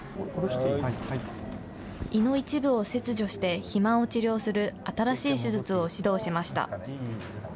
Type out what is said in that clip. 胃の一部を切除して肥満を治療する新しい手術を指導しました。